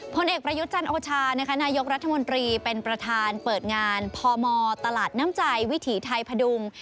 ผลเอกประยุทธ์จันโอชานายกรัฐมนตรีเป็นประธานเปิดงานพมตลาดน้ำใจวิถีไทยพดุง